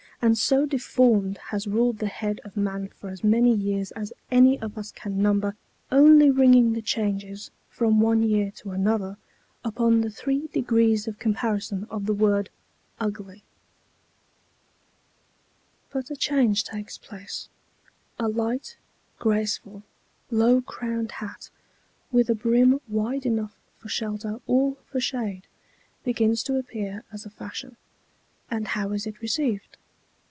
And so "Deformed" has ruled the head of man for as many years as any of us can number, only ringing the changes, from one year to another, upon the three degrees of comparison of the word ugly. But a change takes place; a light, graceful, low crowned hat, with a brim wide enough for shelter or for shade, begins to appear as a fashion; and how is it received?